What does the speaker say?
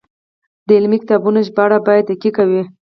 د علمي کتابونو ژباړه باید دقیقه وي.